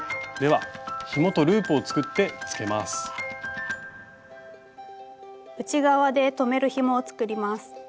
では内側で留めるひもを作ります。